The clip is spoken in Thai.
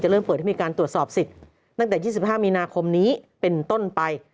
เริ่มเปิดให้มีการตรวจสอบสิทธิ์ตั้งแต่๒๕มีนาคมนี้เป็นต้นไป